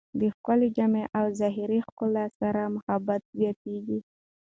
د ښکلې جامې او ظاهري ښکلا سره محبت زیاتېږي.